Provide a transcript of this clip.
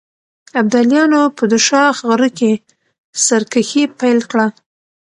ابداليانو په دوشاخ غره کې سرکښي پيل کړه.